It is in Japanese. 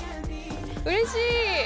うれしい！